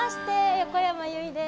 横山由依です！